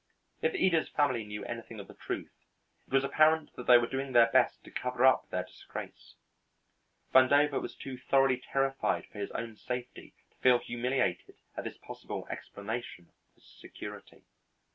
If Ida's family knew anything of the truth, it was apparent that they were doing their best to cover up their disgrace. Vandover was too thoroughly terrified for his own safety to feel humiliated at this possible explanation of his security.